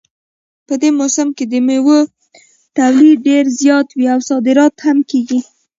په دې موسم کې د میوو تولید ډېر زیات وي او صادرات هم کیږي